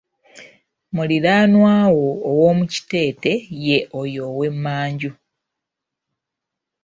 Muliranwawo owomukitete ye oyo ow'emmanju.